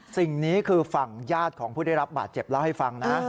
สิ่งนี้คือฝั่งญาติของผู้ได้รับบาดเจ็บเล่าให้ฟังนะ